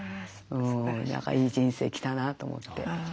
何かいい人生来たなと思って。